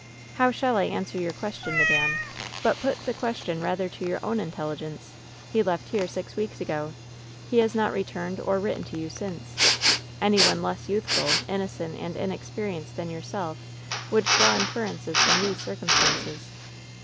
" 'How shall I answer your question, madame ? But put the question rather to your own intelligence. He left here six weeks ago. He has not returned or written to you since. Any one less youthful, innocent and in experienced than yourself would draw inferences from these circumstances.